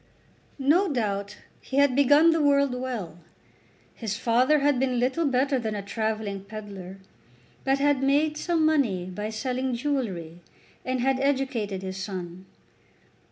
No doubt he had begun the world well. His father had been little better than a travelling pedlar, but had made some money by selling jewellery, and had educated his son.